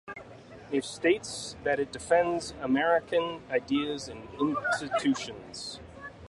It states that it defends American ideas and institutions.